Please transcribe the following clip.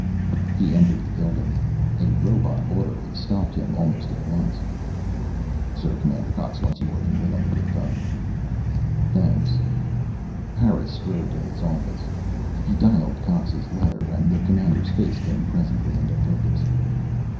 He entered the building. A robot orderly stopped him almost at once. "Sir, Commander Cox wants you urgently, on the vidphone." "Thanks." Harris strode to his office. He dialed Cox's letter and the Commander's face came presently into focus.